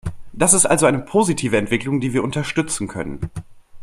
Das ist also eine positive Entwicklung, die wir unterstützen können.